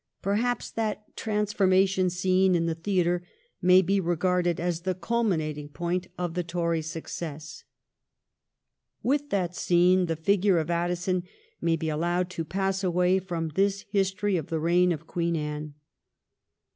Perhaps that ' Transformation Scene ' in the theatre may be regarded as the culminating point of the Tory success. With that scene the figure of Addison may be allowed to pass away from this history of the reign of Queen Anne.